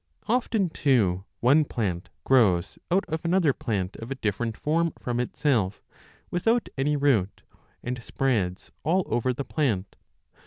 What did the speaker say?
Often, too, one plant grows out of another plant of a different form from itself, without any root, and spreads all over the plant.